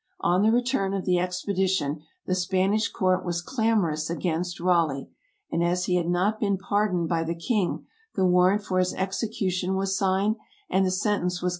On the return of the expedition the Spanish court was clamorous against Raleigh, and as he had not been pardoned by the king the warrant for his execution was.